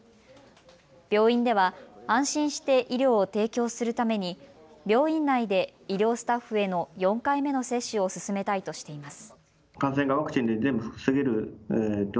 病院では安心して医療を提供するために病院内で医療スタッフへの４回目の接種を進めたいとしています。